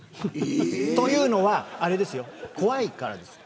というのは、怖いからです。